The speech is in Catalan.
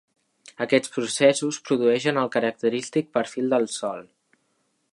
Aquests processos produeixen el característic perfil de sòl.